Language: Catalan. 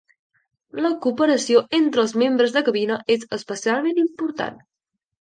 La cooperació entre els membres de cabina és especialment important.